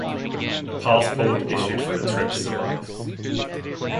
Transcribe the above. A passport issued for the trip survives.